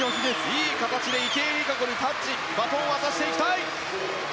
いい形で池江璃花子にタッチ、バトンを渡したい。